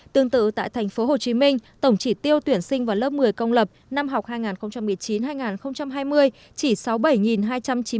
tương tự tại tp hcm tổng chỉ tiêu tuyển sinh vào lớp một mươi công lập năm học hai nghìn một mươi chín hai nghìn hai mươi